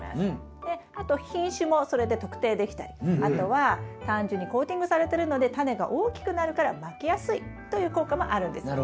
であと品種もそれで特定できたりあとは単純にコーティングされてるのでタネが大きくなるからまきやすいという効果もあるんですよね。